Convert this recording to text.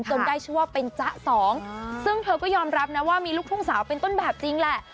ได้ชื่อว่าเป็นจ๊ะสองซึ่งเธอก็ยอมรับนะว่ามีลูกทุ่งสาวเป็นต้นแบบจริงแหละ